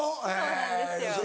そうなんですよ。